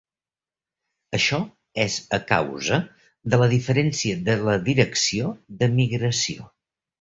Això és a causa de la diferència de la direcció de migració.